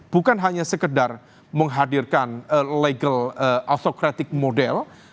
bukan hanya sekedar menghadirkan legal authocratic model